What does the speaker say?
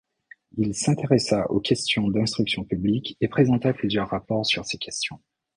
Il s'intéressa aux questions d'instruction publique et présenta plusieurs rapports sur ces questions.